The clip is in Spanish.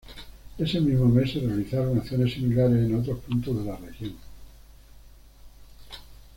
Ese mismo mes se realizaron acciones similares en otros puntos de la región.